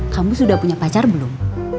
kamu sudah punya pacar belum